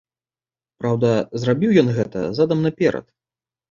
Праўда, зрабіў ён гэта задам наперад!